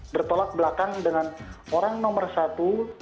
bertolak belakang dengan orang nomor satu